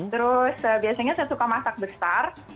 terus biasanya saya suka masak besar